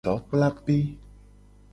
Dokplape.